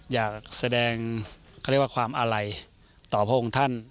อยากแสดงเขาเรียกว่าความอาลัยต่อพระองค์ท่าน